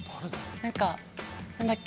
なんか、何だっけ？